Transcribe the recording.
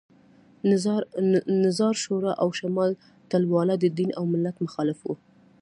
نظار شورا او شمال ټلواله د دین او ملت مخالف وو